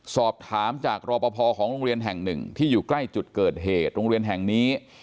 สอบถามจากรอปภของโรงเรียนแห่งหนึ่งที่อยู่ใกล้จุดเกิดเหตุโรงเรียนแห่งนี้